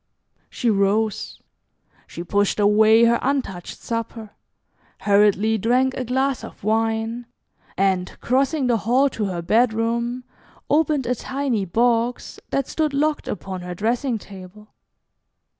She rose. She pushed away her untouched supper, hurriedly drank a glass of wine, and, crossing the hall to her bedroom, opened a tiny box that stood locked upon her dressing table.